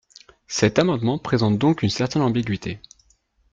Cet amendement présente donc une certaine ambiguïté.